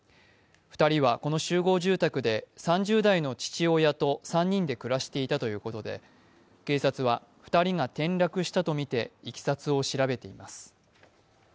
２人は、この集合住宅で３０代の父親と３人で暮らしていたということで、警察は２人が転落したとみていきさつを調べています。